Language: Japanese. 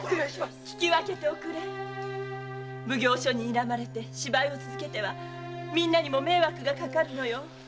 奉行所に睨まれて芝居を続けてはみんなにも迷惑がかかるのよ。